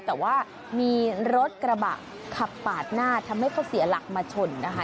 แต่ว่ามีรถกระบะขับปาดหน้าทำให้เขาเสียหลักมาชนนะคะ